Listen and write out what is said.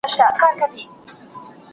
ایا معلم صاحب به زموږ پاڼه وړاندي کړي؟